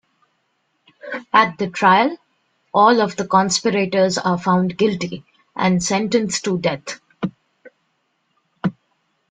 At the trial, all of the conspirators are found guilty and sentenced to death.